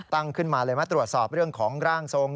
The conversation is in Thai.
ตั้งขึ้นมาเลยมาตรวจสอบเรื่องของร่างทรง